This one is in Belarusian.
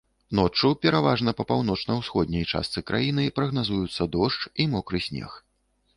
Ноччу пераважна па паўночна-ўсходняй частцы краіны прагназуюцца дождж і мокры снег.